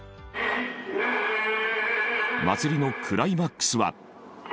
祭りのクライマックスは。